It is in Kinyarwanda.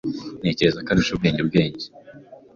Ntekereza ko arusha ubwenge ubwenge.